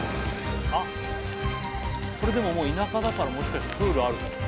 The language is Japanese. あっこれでも田舎だからもしかしてプールあるかも。